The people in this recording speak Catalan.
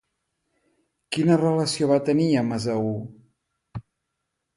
Quina relació va tenir amb Esaú?